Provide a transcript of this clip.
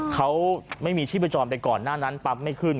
เขาไม่มีชีพจรไปก่อนหน้านั้นปั๊บไม่ขึ้น